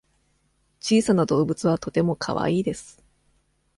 小さな動物はとてもかわいいです。